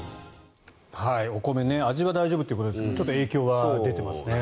お米味は大丈夫ということですがちょっと影響は出てますね。